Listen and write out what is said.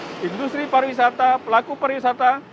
untuk industri pariwisata pelaku pariwisata